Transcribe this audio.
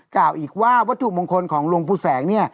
กล่าวอีกว่าวัตถุมงคลของหลวงปู่แสง